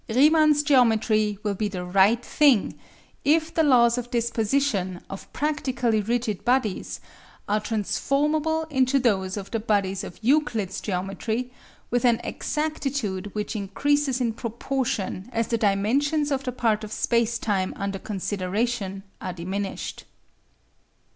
Riemann's geometry will be the right thing if the laws of disposition of practically rigid bodies are transformable into those of the bodies of Euclid's geometry with an exactitude which increases in proportion as the dimensions of the part of space time under consideration are diminished.